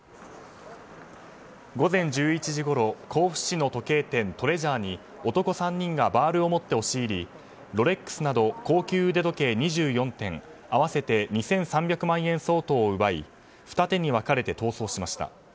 午前１１時ごろ、甲府市の時計店トレジャーに男３人がバールを持って押し入りロレックスなど高級腕時計２４点合わせて２３００万円相当を奪い二手に分かれて逃走しました。